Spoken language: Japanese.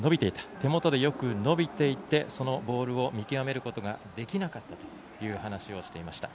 手元でよく伸びていてそのボールを見極めることができなかったと話をしていました。